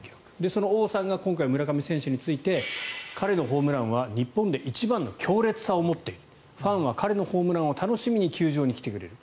その王さんが今回、村上選手について彼のホームランは日本で一番の強烈さを持っているファンは彼のホームランを楽しみに球場に来てくれる。